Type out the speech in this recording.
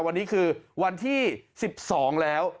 วันนี้คือวันที่๑๒แล้ว